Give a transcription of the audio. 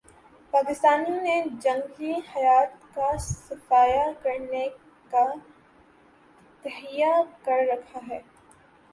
پاکستانیوں نے جنگلی حیات کا صفایا کرنے کا تہیہ کر رکھا ہے